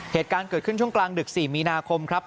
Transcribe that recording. เหตุการณ์เกิดขึ้นช่วงกลางดึก๔มีนาคมครับ